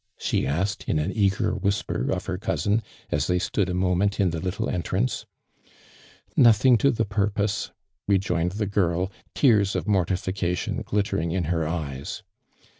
she asked, in an eager whisper of her cousin, as they stood a moment in the little entrance. " Nothing to the purpose," rejoined the girl, tears of mortification glittering in her eyes.